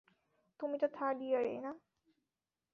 তুমি তো থার্ড ইয়ারে, না?